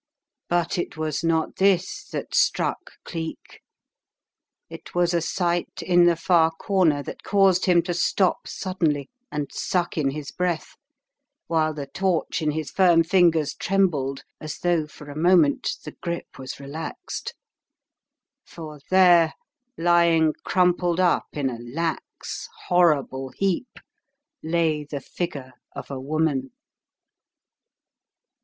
But it was not this that struck Cleek. It was a sight in the far corner that caused him to stop suddenly and suck in his breath, while the torch in his firm fingers trembled as though for a moment the grip was relaxed. For there, lying crumpled up in a lax, horrible beap, lay the figure of a woman!